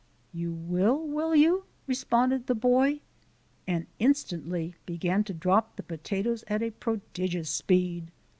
"You will, will you?" responded the boy, and instantly began to drop the potatoes at a prodigious speed.